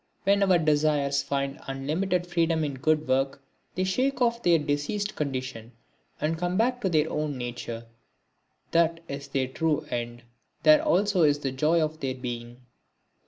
When our desires find unlimited freedom in good work they shake off their diseased condition and come back to their own nature; that is their true end, there also is the joy of their being.